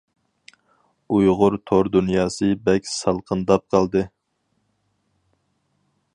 ئۇيغۇر تور دۇنياسى بەك سالقىنداپ قالدى.